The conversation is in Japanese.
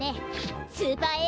スーパーＡ